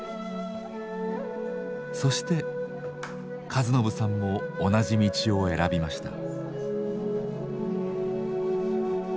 そして和伸さんも同じ道を選びました。